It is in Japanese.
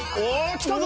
きたぞ。